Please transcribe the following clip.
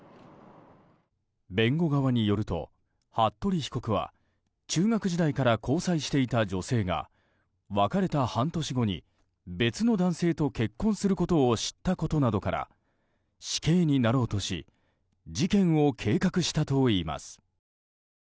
弁護側によると、服部被告は中学時代から交際していた女性が別れた半年後に別の男性と結婚することを知ったことなどから死刑になろうとし事件を計画したといいます。